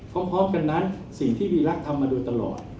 พร้อมกันนั้นสิ่งที่วีรักษ์ทำมาโดยตลอด